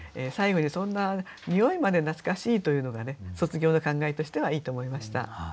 最後にそんな匂いまで懐かしいというのがね卒業の感慨としてはいいと思いました。